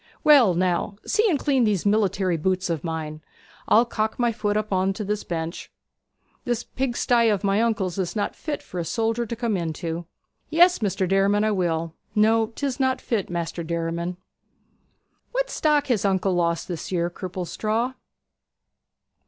Well, now, see and clean these military boots of mine. I'll cock my foot up on this bench. This pigsty of my uncle's is not fit for a soldier to come into.' 'Yes, Maister Derriman, I will. No, 'tis not fit, Maister Derriman.' 'What stock has uncle lost this year, Cripplestraw?'